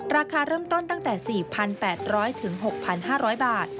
ราคาเริ่มต้นตั้งแต่๔๘๐๐๖๕๐๐บาท